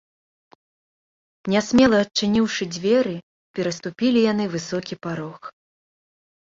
Нясмела адчыніўшы дзверы, пераступілі яны высокі парог.